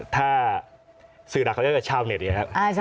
ถ้าสื่อหลักเขาเรียกกับชาวเน็ตนะครับ